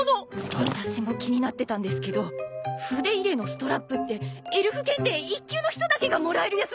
私も気になってたんですけど筆入れのストラップってエルフ検定１級の人だけがもらえるやつじゃ！？